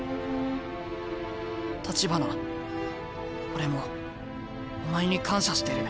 俺もお前に感謝してる。